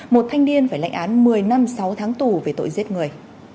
một thanh niên phải lệnh án một mươi năm sáu tháng tù về tội giết người